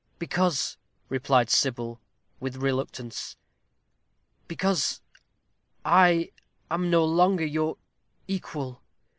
"Because," replied Sybil, with reluctance "because I am no longer your equal.